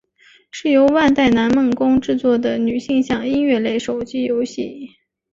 是由万代南梦宫制作的女性向音乐类手机游戏。